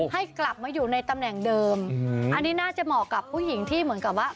ให้กลับมาอยู่ในตำแหน่งเดิมอันนี้น่าจะเหมาะกับผู้หญิงที่เหมือนกับว่า